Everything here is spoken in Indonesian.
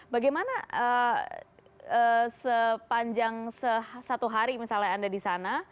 bagaimana sepanjang satu hari misalnya anda di sana